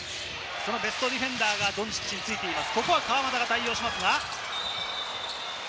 そのベストディフェンダーがドンチッチに付いています。